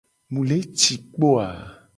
Mu le ci kpo a?